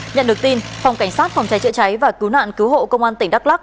nhận được tin phòng cảnh sát phòng cháy chữa cháy và cứu nạn cứu hộ công an tỉnh đắk lắc